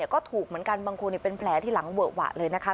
ก็ถูกเหมือนกันบางคนเป็นแผลที่หลังเวอะหวะเลยนะคะ